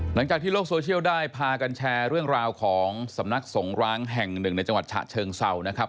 หลังจากที่โลกโซเชียลได้พากันแชร์เรื่องราวของสำนักสงร้างแห่งหนึ่งในจังหวัดฉะเชิงเศร้านะครับ